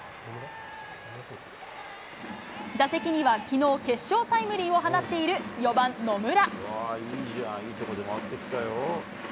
打席には、きのう決勝タイムリーを放っている４番野村。